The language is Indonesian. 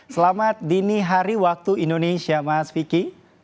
selamat dini hari waktu indonesia mas vicky